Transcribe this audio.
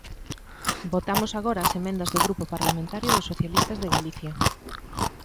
Votamos agora as emendas do Grupo Parlamentario dos Socialistas de Galicia.